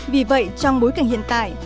vì vậy trong bối cảnh hiện tại